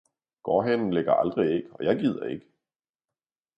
Gårdhanen lægger aldrig æg og jeg gider ikke!